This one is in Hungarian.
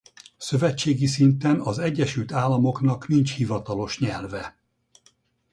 Szövetségi szinten az Egyesült Államoknak nincs hivatalos nyelve.